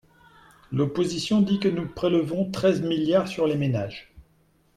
L’opposition dit que nous prélevons treize milliards sur les ménages.